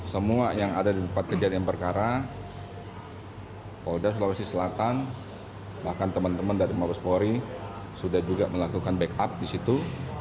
semua yang ada di tempat kejadian perkara polda sulawesi selatan bahkan teman teman dari mabespori sudah juga melakukan backup di situ